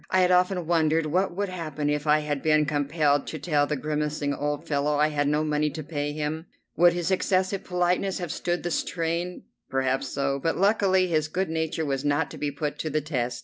I had often wondered what would happen if I had been compelled to tell the grimacing old fellow I had no money to pay him. Would his excessive politeness have stood the strain? Perhaps so, but luckily his good nature was not to be put to the test.